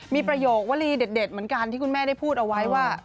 มีประโยควรีเด็ดเหมือนกันที่คุณแม่ได้พูดเอาไว้ว่า